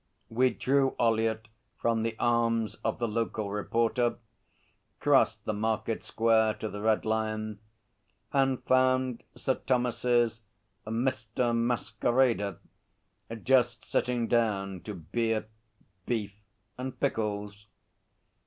We drew Ollyett from the arms of the local reporter, crossed the Market Square to the Red Lion and found Sir Thomas's 'Mr. Masquerader' just sitting down to beer, beef and pickles.